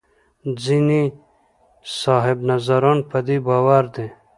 ځینې صاحب نظران په دې باور دي.